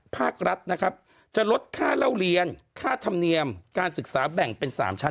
ภาครัฐนะครับจะลดค่าเล่าเรียนค่าธรรมเนียมการศึกษาแบ่งเป็น๓ชั้น